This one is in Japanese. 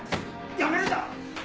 やめるんだ！